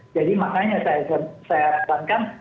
jadi makanya saya rebutkan